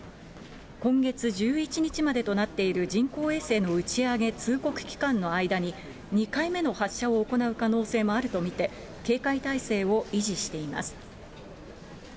今月１１日までとなっている人工衛星の打ち上げ通告期間の間に、２回目の発射を行う可能性もあると見て、警戒態勢を維持しています。